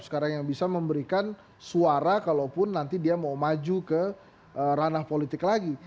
sekarang yang bisa memberikan suara kalaupun nanti dia mau maju ke ranah politik lagi